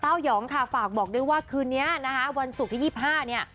เต้าหยองค่ะฝากบอกด้วยว่าคืนนี้วันศุกร์ที่๒๕